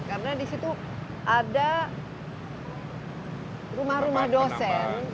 karena di situ ada rumah rumah dosen